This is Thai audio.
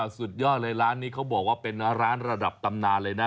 สุดยอดเลยร้านนี้เขาบอกว่าเป็นร้านระดับตำนานเลยนะ